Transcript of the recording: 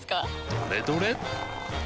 どれどれっ！